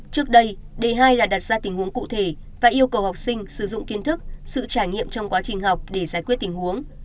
trước đây đề hai là đặt ra tình huống cụ thể và yêu cầu học sinh sử dụng kiến thức sự trải nghiệm trong quá trình học để giải quyết tình huống